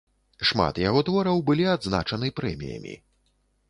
Шмат яго твораў былі адзначаны прэміямі.